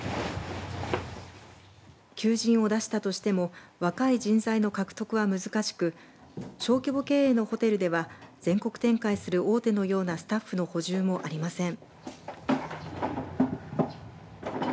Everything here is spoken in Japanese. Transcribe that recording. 求人を出したとしても若い人材の獲得は難しく小規模経営のホテルでは全国展開する大手のようなスタッフの補充もありません。